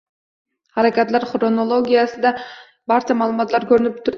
Harakatlar xronologiyasida barcha ma’lumotlar ko‘rinib turadi